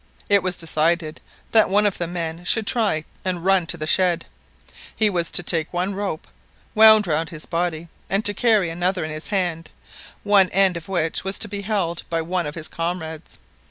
It was decided that one of the men should try and run to the shed. He was to take one rope wound round his body, and to carry another in his hand, one end of which was to be held by one of his comrades.